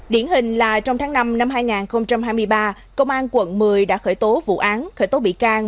điển hình là trong tháng năm năm hai nghìn hai mươi ba công an quận một mươi đã khởi tố vụ án khởi tố bị can